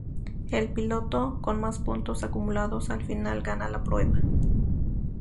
El piloto con más puntos acumulados al final gana la prueba.